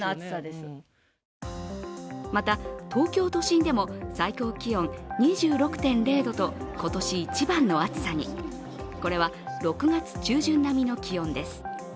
また東京都心でも最高気温２６．０度と今年一番の暑さにこれは６月中旬並みの気温です。